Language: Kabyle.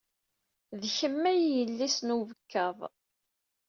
D kemm ay yelli-s n ubekkaḍ.